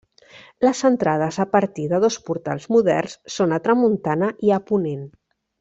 Les entrades a partir de dos portals moderns, són a tramuntana i a ponent.